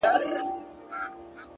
شعرونه دي هر وخت د ملاقات راته وايي”